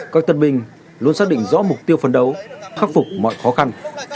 các tân binh luôn xác định rõ mục tiêu phấn đấu khắc phục mọi khó khăn